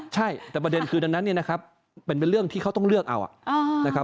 ใช่แต่ประเด็นคือนั้นเป็นเรื่องที่เขาต้องเลือกเอา